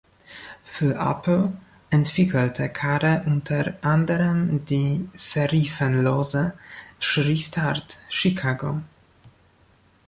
Für Apple entwickelte Kare unter anderem die serifenlose Schriftart "Chicago".